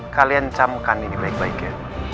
kalian camkan ini baik baik ya